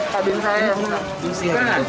nah ini tuh ya habis saya